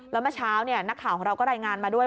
แล้วเมื่อเช้านักข่าวของเราก็รายงานมาด้วย